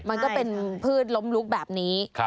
มันก็เป็นพืชล้มลุกแบบนี้